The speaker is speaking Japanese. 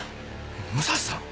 武蔵さん